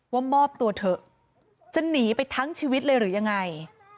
มอบตัวเถอะจะหนีไปทั้งชีวิตเลยหรือยังไง